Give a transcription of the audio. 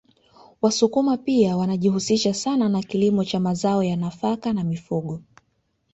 Wasukuma pia wanajihusisha sana na kilimo cha mazao ya nafaka na mifugo